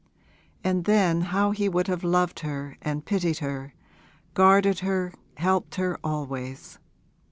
And then how he would have loved her and pitied her, guarded her, helped her always!